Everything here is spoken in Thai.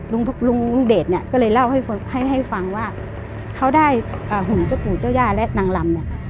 ลุงเดชน์ก็เลยเล่าให้ฟังว่าเขาได้หุ่นเจ้าปู่เจ้าย่าและนางลำ